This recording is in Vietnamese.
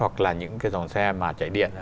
hoặc là những cái dòng xe mà chảy điện